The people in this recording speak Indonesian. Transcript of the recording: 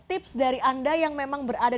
tips dari anda yang memang berada